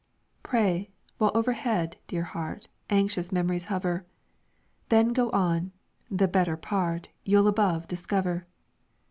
"Pray, while overhead, dear heart, Anxious mem'ries hover; Then go on: the better part You'll above discover.